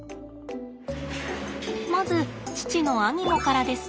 まず父のアニモからです。